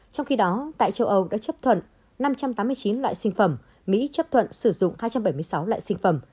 trong khi đó tại châu âu đã chấp thuận năm trăm tám mươi chín loại sinh phẩm mỹ chấp thuận sử dụng hai trăm bảy mươi sáu loại sinh phẩm